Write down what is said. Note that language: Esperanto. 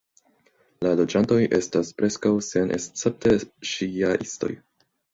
La loĝantoj estas preskaŭ senescepte ŝijaistoj.